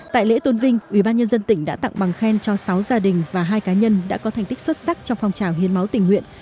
tại lễ tôn vinh ubnd tỉnh đã tặng bằng khen cho sáu gia đình và hai cá nhân đã có thành tích xuất sắc trong phong trào hiến máu tình nguyện